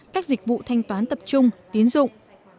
các dịch vụ thanh toán tập trung tiến dụng